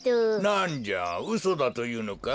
なんじゃうそだというのか？